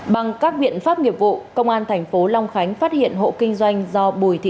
bằng các biện pháp nghiệp vụ công an thành phố long khánh phát hiện hộ kinh doanh do bùi thị